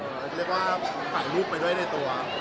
เรียกว่าขายลูกไปด้วยในตัว